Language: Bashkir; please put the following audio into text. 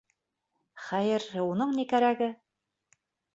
Хәйер, уның ни кәрәге...